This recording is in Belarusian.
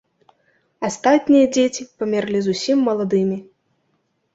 Астатнія дзеці памерлі зусім маладымі.